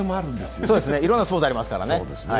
いろんなスポーツがありますからね。